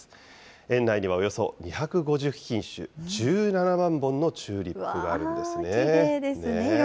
園内にはおよそ２５０品種１７万本のチューリップがあるんですね。